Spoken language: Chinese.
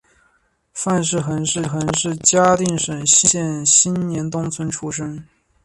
范氏姮是嘉定省新和县新年东村出生。